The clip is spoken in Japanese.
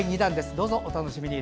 どうぞお楽しみに。